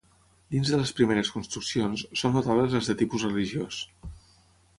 Dins de les primeres construccions, són notables les de tipus religiós.